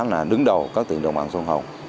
là đứng đầu các tỉnh đồng bằng sông hồng